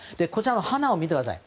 鼻を見てください。